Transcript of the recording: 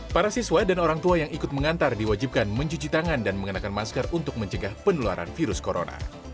para siswa dan orang tua yang ikut mengantar diwajibkan mencuci tangan dan mengenakan masker untuk mencegah penularan virus corona